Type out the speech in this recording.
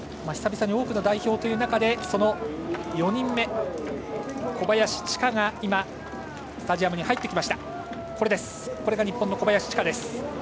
久々に多くの代表という中で４人目、小林千佳がスタジアムに入ってきました。